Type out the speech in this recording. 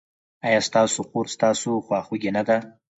ایا ستاسو خور ستاسو خواخوږې نه ده؟